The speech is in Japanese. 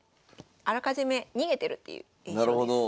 あらかじめ逃げてるっていう印象です。